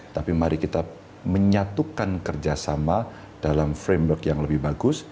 tapi mari kita menyatukan kerjasama dalam framework yang lebih bagus